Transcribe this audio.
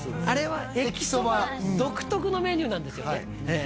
あれは駅そば独特のメニューなんですよね